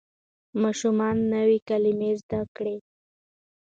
ماشوم نوې کلمه زده کړه